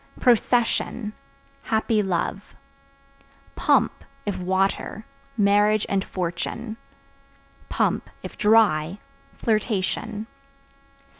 Procession Happy love. Pump (If water) marriage and fortune; (if dry) flirtation.